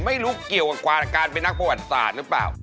ไม่รู้เกี่ยวกับการเป็นนักประวัติศาสตร์หรือเปล่า